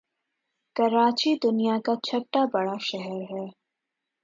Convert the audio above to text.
کراچی دنیا کاچهٹا بڑا شہر ہے